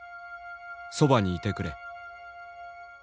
「そばにいてくれ」。